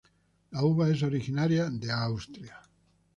La uva es originaria de Austria.